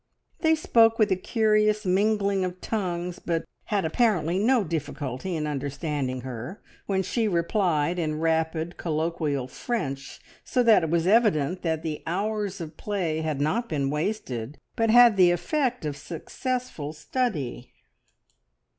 They spoke with a curious mingling of tongues, but had apparently no difficulty in understanding her when she replied in rapid, colloquial French, so that it was evident that the hours of play had not been wasted, but had the effect of successful study.